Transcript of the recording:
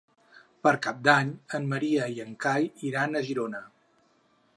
Per Cap d'Any en Maria i en Cai iran a Girona.